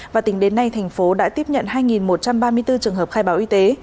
và tính đến nay thành phố đã tiếp nhận hai một trăm ba mươi bốn trường hợp khai báo y tế